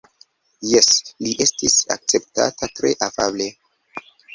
Jes, li estis akceptata tre afable.